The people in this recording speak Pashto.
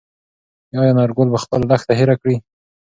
ایا انارګل به خپله لښته هېره کړي؟